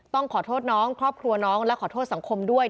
ต้องขอโทษน้องครอบครัวน้องและขอโทษสังคมด้วย